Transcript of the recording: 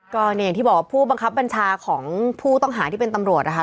ก็เนี่ยอย่างที่บอกว่าผู้บังคับบัญชาของผู้ต้องหาที่เป็นตำรวจนะคะ